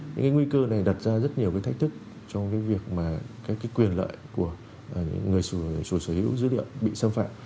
những nguy cơ này đặt ra rất nhiều thách thức trong việc quyền lợi của người sử dụng dữ liệu bị xâm phạm